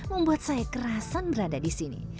membuat saya kerasan berada di sini